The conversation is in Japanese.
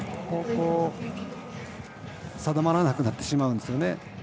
方向定まらなくなってしまうんですよね。